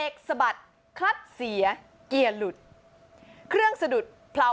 คุยกันแล้วเออคนเดียวหัวหายเออสองคนเพื่อนตายเว้ยเออ